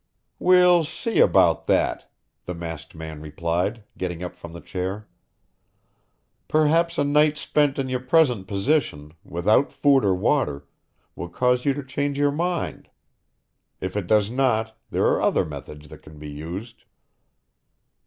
"We'll see about that!" the masked man replied, getting up from the chair. "Perhaps a night spent in your present position, without food or water, will cause you to change your mind. If it does not, there are other methods that can be used."